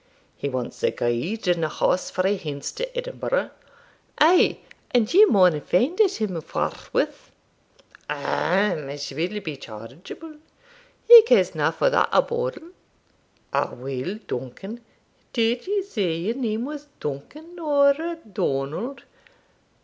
'He wants a guide and a horse frae hence to Edinburgh?' 'Ay, and ye maun find it him forthwith.' 'Ahem! It will be chargeable.' 'He cares na for that a bodle.' 'Aweel, Duncan did ye say your name was Duncan, or Donald?'